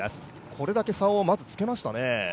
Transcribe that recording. これだけまず差をつけましたね。